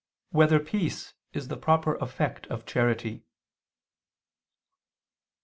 3] Whether Peace Is the Proper Effect of Charity?